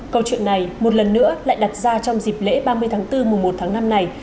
câu chuyện này một lần nữa lại đặt ra trong dịp lễ ba mươi tháng bốn mùa một tháng năm này